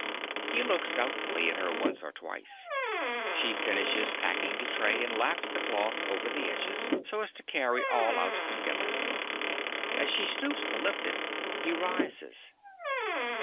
He looks doubtfully at her once or twice. She finishes packing the tray, and laps the cloth over the edges, so as to carry all out together. As she stoops to lift it, he rises.